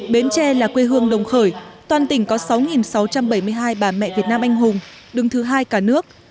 bến tre là quê hương đồng khởi toàn tỉnh có sáu sáu trăm bảy mươi hai bà mẹ việt nam anh hùng đứng thứ hai cả nước